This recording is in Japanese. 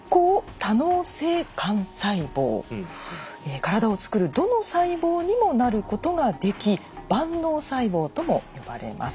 体を作るどの細胞にもなることができ「万脳細胞」とも呼ばれます。